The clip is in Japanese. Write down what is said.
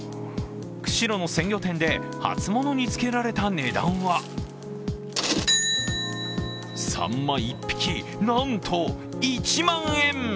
釧路の鮮魚店で初物につけられた値段はさんま１匹、なんと１万円。